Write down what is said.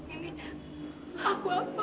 ini aku apa